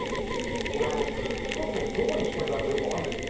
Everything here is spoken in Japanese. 俺あの太っててどこにシコリがあるかよく分かんないんだよ